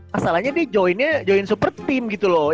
masalahnya nih joinnya join super team gitu loh